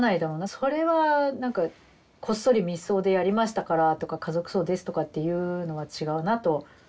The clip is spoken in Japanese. それはなんかこっそり密葬でやりましたからとか家族葬ですとかっていうのは違うなと思って。